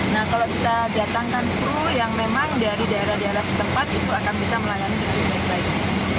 nah kalau kita datangkan kru yang memang dari daerah daerah setempat itu akan bisa melayani dengan baik